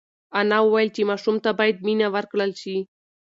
انا وویل چې ماشوم ته باید مینه ورکړل شي.